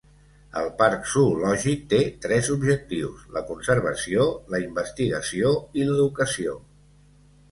El Parc Zoològic té tres objectius: la conservació, la investigació i l'educació.